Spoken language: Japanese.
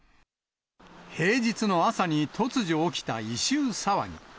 平日の朝に突如起きた異臭騒ぎ。